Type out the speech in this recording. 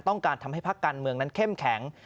ต้องการทำให้พักการเมืองนั้นเข้มแข็ง